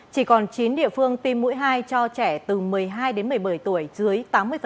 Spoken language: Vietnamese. chỉ còn chín địa phương tiêm mũi hai cho trẻ từ một mươi hai đến một mươi bảy tuổi dưới tám mươi